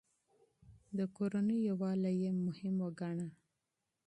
د کورنۍ يووالی يې مهم ګاڼه.